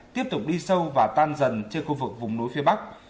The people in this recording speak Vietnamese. tiếp tục đi sâu và tan dần trên khu vực vùng núi phía bắc